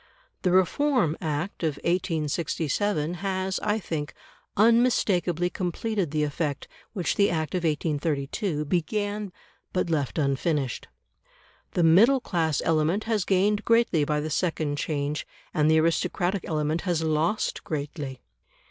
The Reform Act of 1867 has, I think, unmistakably completed the effect which the Act of 1832 began, but left unfinished. The middle class element has gained greatly by the second change, and the aristocratic element has lost greatly.